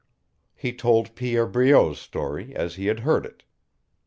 He told Pierre Breault's story as he had heard it.